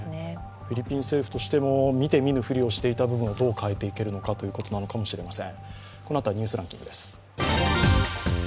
フィリピン政府としても見て見ぬ振りをしていた部分をどう変えるかということなのかもしれません。